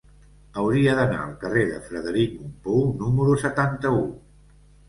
Hauria d'anar al carrer de Frederic Mompou número setanta-u.